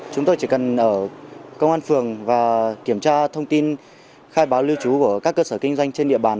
chúng tôi chỉ cần ở công an phường và kiểm tra thông tin khai báo lưu trú của các cơ sở kinh doanh trên địa bàn